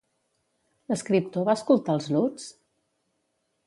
L'escriptor va escoltar els Lutz?